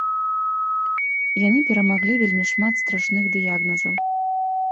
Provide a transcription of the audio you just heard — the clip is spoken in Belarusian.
Яны перамаглі вельмі шмат страшных дыягназаў.